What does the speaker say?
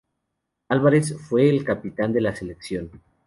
Álvarez fue el capitán de la selección.